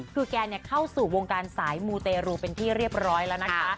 คือแกเข้าสู่วงการสายมูเตรูเป็นที่เรียบร้อยแล้วนะคะ